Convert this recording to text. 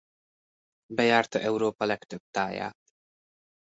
Bejárta Európa legtöbb táját.